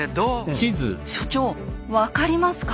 所長分かりますか？